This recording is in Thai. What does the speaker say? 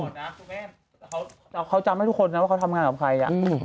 คุณแม่เขาจำให้ทุกคนนะว่าเขาทำงานกับใคร